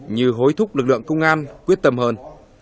như hối thúc lực lượng công an quyết tâm hơn